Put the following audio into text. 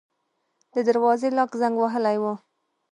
د دروازې لاک زنګ وهلی و.